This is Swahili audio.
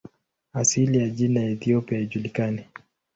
Asili ya jina "Ethiopia" haijulikani.